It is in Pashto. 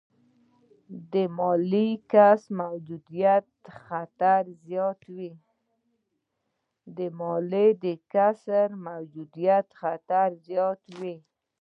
د مالي کسر موجودیت خطر زیاتوي.